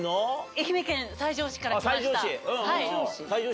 愛媛県西条市から来ました。